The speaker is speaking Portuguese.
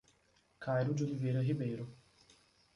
Cairo de Oliveira Ribeiro